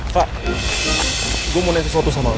kak gue mau nanya sesuatu sama el